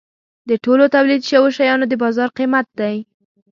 د ټولو تولید شوو شیانو د بازار قیمت دی.